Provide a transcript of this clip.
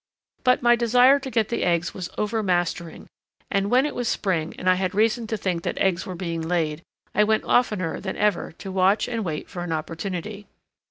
But my desire to get the eggs was over mastering, and when it was spring and I had reason to think that eggs were being laid, I went oftener than ever to watch and wait for an opportunity.